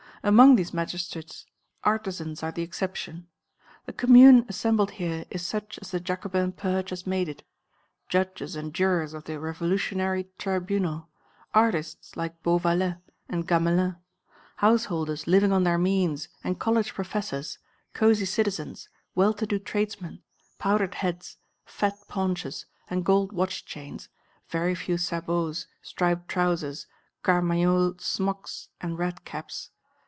Among these Magistrates, artisans are the exception. The Commune assembled here is such as the Jacobin purge has made it, judges and jurors of the Revolutionary Tribunal, artists like Beauvallet and Gamelin, householders living on their means and college professors, cosy citizens, well to do tradesmen, powdered heads, fat paunches, and gold watch chains, very few sabots, striped trousers, carmagnole smocks and red caps.